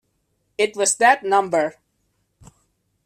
It was that number.